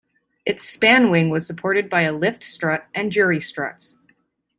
Its span wing was supported by a lift strut and jury struts.